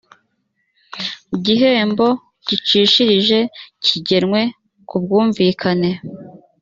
gihembo gicishirije kigenwe ku bwumvikane